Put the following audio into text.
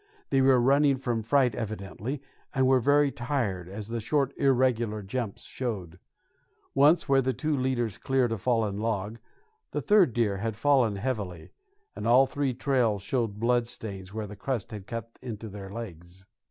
They were running from fright evidently, and were very tired, as the short irregular jumps showed. Once, where the two leaders cleared a fallen log, the third deer had fallen heavily; and all three trails showed blood stains where the crust had cut into their legs.